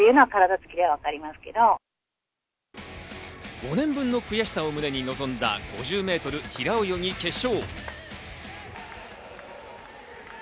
５年分の悔しさを胸に臨んだ５０ｍ平泳ぎ決勝。